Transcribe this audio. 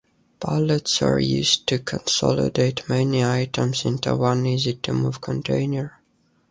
Pallets are used to consolidate many items into one easy-to-move container.